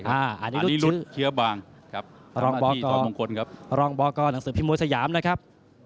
อันนี้รูปชื่อพระรองบอกก้อนหนังสือพิมพ์มวยสยามนะครับ